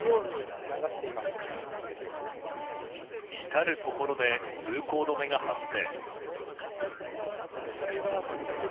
至るところで通行止めが発生。